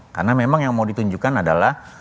karena memang yang mau ditunjukkan adalah